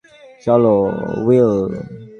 চল, উইল।